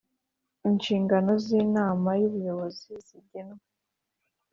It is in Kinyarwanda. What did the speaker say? Inshingano z inama y ubuyobozi zigenwe